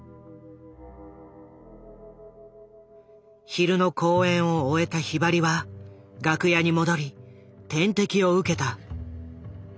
昼の公演を終えたひばりは楽屋に戻り点滴を受けた。